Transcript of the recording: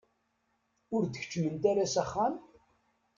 Ur d-keččment ara s axxam?